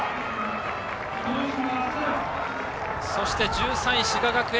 そして１３位、滋賀学園。